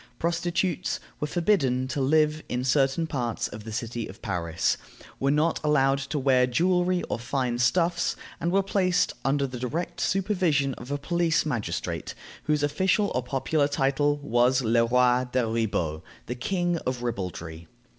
Prostitutes were forbidden to live in certain parts of the city of Paris, were not allowed to wear jewelry or fine stuffs, and were placed under the direct supervision of a police magistrate, whose official or popular title was Le roi des ribauds (the king of ribaldry).